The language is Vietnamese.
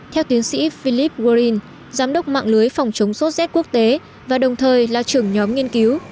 theo tiến sĩ philip warren giám đốc mạng lưới phòng chống sốt z quốc tế và đồng thời là trưởng nhóm nghiên cứu